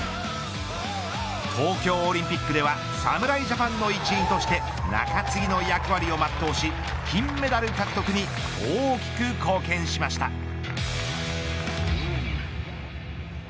東京オリンピックでは侍ジャパンの一員として中継ぎの役割を全うし金メダル獲得に大きく貢献しました。